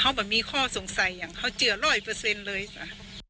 เขาแบบมีข้อสงสัยอย่างเขาเจือร้อยเปอร์เซ็นต์เลยจ้ะ